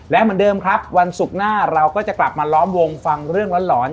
และเหมือนเดิมครับวันศุกร์หน้าเราก็จะกลับมาล้อมวงฟังเรื่องหลอน